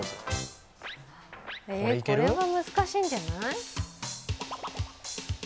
これは難しいんじゃない？